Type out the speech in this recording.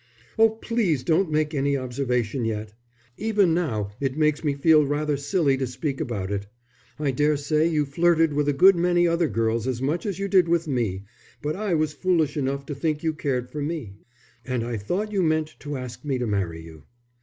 "Oh, please don't make any observation yet. Even now it makes me feel rather silly to speak about it. I daresay you flirted with a good many other girls as much as you did with me, but I was foolish enough to think you cared for me. And I thought you meant to ask me to marry you.